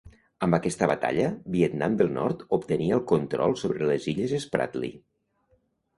Amb aquesta batalla, Vietnam del Nord obtenia el control sobre les Illes Spratly.